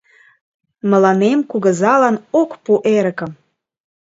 Мыланем, кугызалан, ок пу эрыкым: